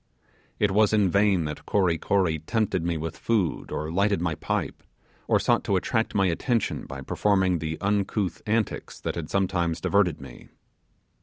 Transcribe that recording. It was in vain that Kory Kory tempted me with food, or lighted my pipe, or sought to attract my attention by performing the uncouth antics that had sometimes diverted me.